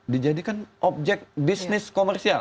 dijadikan objek bisnis komersial